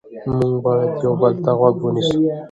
موږ باید یو بل ته غوږ ونیسو